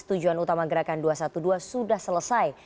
tujuan utama gerakan dua ratus dua belas sudah selesai